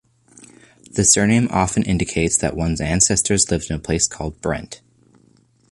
The surname often indicates that one's ancestors lived in a place called Brent.